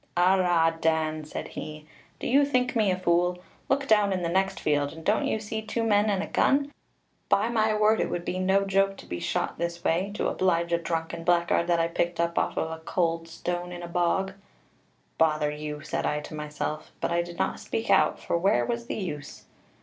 "'Arrah, Dan,' said he, 'do you think me a fool? Look down in the next field, and don't you see two men and a gun? By my word it would be no joke to be shot this way, to oblige a drunken blackguard that I picked up off of a could stone in a bog.' 'Bother you,' said I to myself, but I did not speak out, for where was the use?